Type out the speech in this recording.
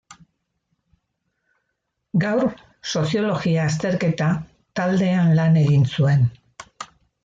Gaur soziologia azterketa taldean lan egin zuen.